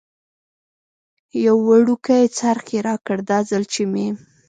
یو وړوکی څرخ یې راکړ، دا ځل چې مې.